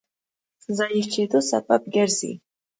ضایع کېدو سبب ګرځي.